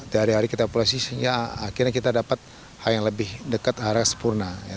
dari hari kita operasi sehingga akhirnya kita dapat hal yang lebih dekat arah sempurna